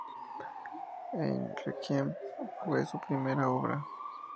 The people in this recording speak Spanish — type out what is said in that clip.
Ein Requiem", que fue su primera obra.